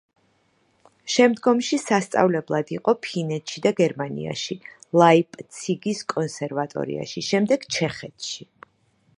შემდგომში სასწავლებლად იყო ფინეთში და გერმანიაში, ლაიპციგის კონსერვატორიაში, შემდეგ ჩეხეთში.